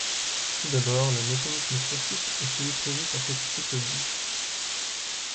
Tout d’abord, le mécanisme classique est celui prévu par cet article dix.